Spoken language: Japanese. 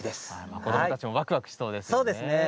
子どもたちもわくわくしそうですね。